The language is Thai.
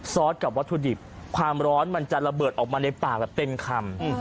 สกับวัตถุดิบความร้อนมันจะระเบิดออกมาในปากแบบเต็มคำ